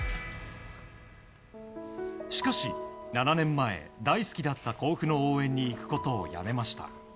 しかし、７年前、大好きだった甲府の応援に行くことをやめました。